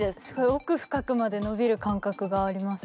奥深くまでのびる感覚があります。